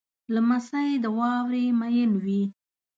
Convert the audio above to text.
لمسی د واورې مین وي.